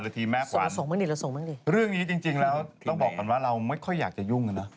เราส่งบ้างดิเรื่องนี้จริงแล้วต้องบอกก่อนว่าเราไม่ค่อยอยากจะยุ่งอ่ะนะ